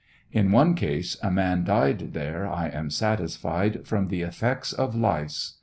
In one case a man died there, I am satisfied, from the effects of lice.